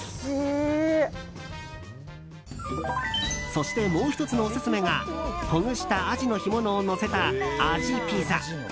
そして、もう１つのオススメがほぐしたアジの干物をのせたあじピザ。